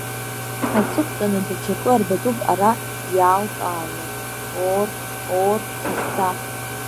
Аҵыхәтәаны даҽакы арбатәуп ара иаалкааны, Оор, оор, ԥхасҭа!